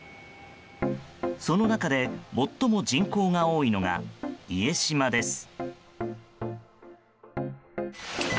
その中で最も人口が多いのが家島です。